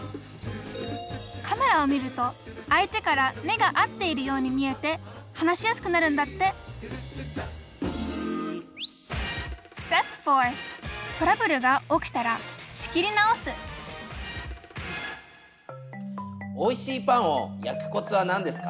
カメラを見ると相手から目が合っているように見えて話しやすくなるんだっておいしいパンを焼くコツはなんですか？